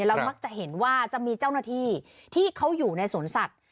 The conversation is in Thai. มักจะเห็นว่าจะมีเจ้าหน้าที่ที่เขาอยู่ในสวนสัตว์